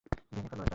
ভেঙ্গে ফেলো এটা।